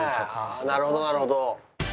なるほどなるほど。